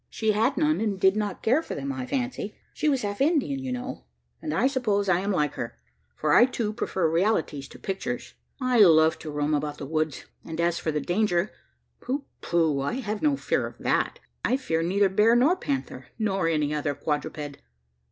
She had none; and did not care for them, I fancy. She was half Indian, you know; and I suppose I am like her: for I too, prefer realities to pictures. I love to roam about the woods; and as for the danger pooh, pooh I have no fear of that. I fear neither bear nor panther, nor any other quadruped.